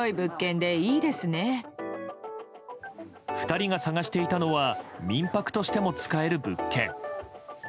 ２人が探していたのは民泊としても使える物件。